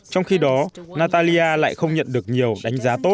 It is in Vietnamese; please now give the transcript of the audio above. trong khi đó nataly lại không nhận được nhiều đánh giá tốt